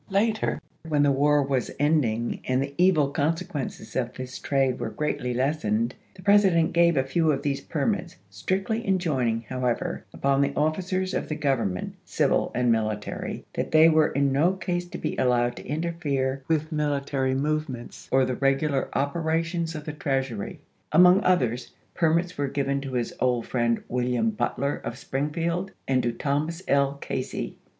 Later, when the war was ending, and the evil consequences of this trade were gi eatly lessened, the President gave a few of these permits, strictly enjoining, however, upon the officers of the Gov ernment, civil and military, that they were in no case to be allowed to interfere with military move KeUogg, Jime 29, 1863. MS. 308 ABKAHMI LINCOLN CHAP. XI. ments or the regular operations of the Treasury. Among others permits were given to his old friend William Butler of Springfield and to Thomas L. Casey.